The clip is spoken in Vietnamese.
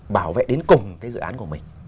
bảo vệ đến cùng cái dự án của mình